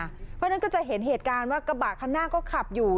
เพราะฉะนั้นก็จะเห็นเหตุการณ์ว่ากระบะคันหน้าก็ขับอยู่